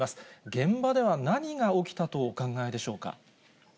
現場では何が起きたとお考えでしょうか。